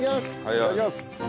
いただきます！